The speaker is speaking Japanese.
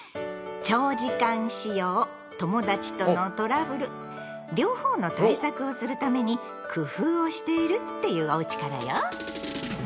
長時間使用友達とのトラブル両方の対策をするために工夫をしているっていうおうちからよ。